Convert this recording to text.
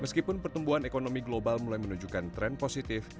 meskipun pertumbuhan ekonomi global mulai menunjukkan tren positif